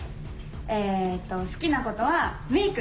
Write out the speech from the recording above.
えっと好きなことはメイクとか。